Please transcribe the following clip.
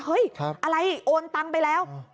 อะไรโอนตังไปแล้ว